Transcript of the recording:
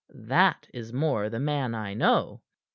"That is more the man I know."